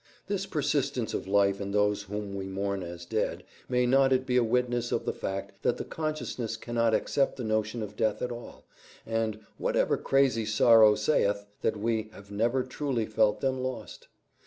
This persistence of life in those whom we mourn as dead, may not it be a witness of the fact that the consciousness cannot accept the notion of death at all, and, "Whatever crazy sorrow saith," that we have never truly felt them lost?